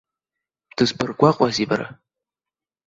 Дызбыргәаҟуазеи бара!